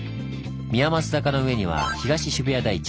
宮益坂の上には東渋谷台地。